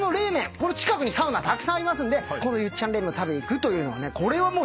この近くにサウナたくさんありますんでこのユッチャン冷麺を食べに行くというのはねこれはもう。